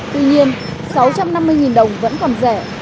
tuy nhiên sáu trăm năm mươi đồng vẫn còn rẻ